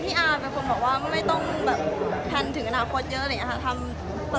พี่อาร์เป็นคนบอกว่าก็ไม่ต้องแพรนถึงกนาภาพกวดเยอะทำตัวจำนวดให้ดีก็พอเลย